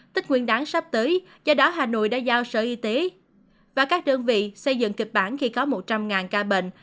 tích nguyên đáng sắp tới do đó hà nội đã giao sở y tế và các đơn vị xây dựng kịch bản khi có một trăm linh ca bệnh